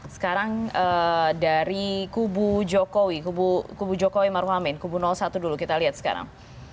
sekarang dari kubu jokowi kubu jokowi maruf amin kubu satu dulu kita lihat sekarang